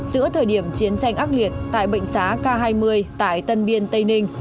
giữa thời điểm chiến tranh ác liệt tại bệnh xá k hai mươi tại tân biên tây ninh